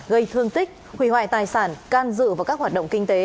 gây thương tích hủy hoại tài sản can dự vào các hoạt động kinh tế